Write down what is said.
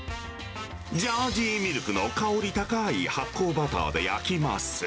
ジャージーミルクの香り高い発酵バターで焼きます。